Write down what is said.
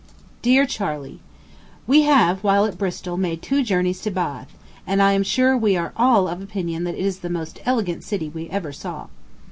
DEAR CHARLEY: We have while at Bristol made two journeys to Bath, and I am sure we are all of opinion that it is the most elegant city we ever saw.